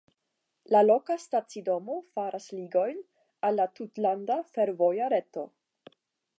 La loka stacidomo faras ligojn al la tutlanda fervoja reto.